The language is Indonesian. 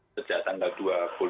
sejak tanggal dua puluh